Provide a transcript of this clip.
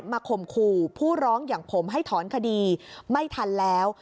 ข่มขู่ผู้ร้องอย่างผมให้ถอนคดีไม่ทันแล้ว